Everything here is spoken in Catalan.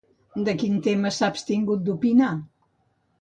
De quin tema s'ha abstingut d'opinar?